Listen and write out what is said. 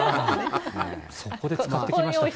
そこで使ってきましたか。